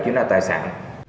chiếm đoạt tài sản